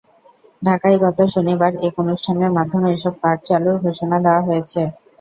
ঢাকায় গত শনিবার এক অনুষ্ঠানের মাধ্যমে এসব কার্ড চালুর ঘোষণা দেওয়া হয়েছে।